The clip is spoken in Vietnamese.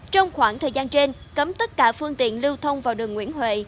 trong khoảng thời gian trên cấm tất cả phương tiện lưu thông vào đường nguyễn huệ